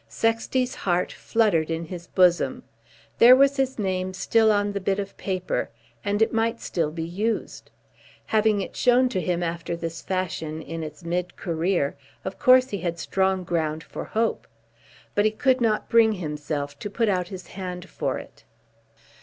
Sexty's heart fluttered in his bosom. There was his name still on the bit of paper, and it might still be used. Having it shown to him after this fashion in its mid career, of course he had strong ground for hope. But he could not bring himself to put out his hand for it.